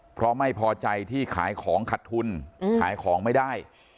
เพราะไม่พอใจที่ขายของขัดทุนขายของไม่ได้